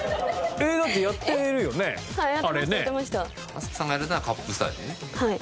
飛鳥さんがやってたのはカップスターですね。